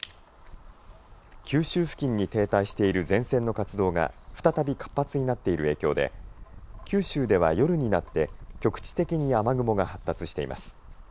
九州付近に停滞している前線の活動が再び活発になっている影響で九州では夜になって局地的に雨雲が発達しています。